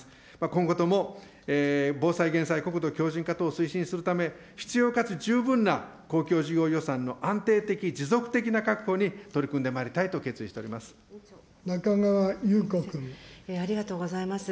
今後とも、防災・減災、国土強靭化等推進するため、必要かつ十分な公共事業予算の安定的、持続的な確保に取り組んで中川郁子君。ありがとうございます。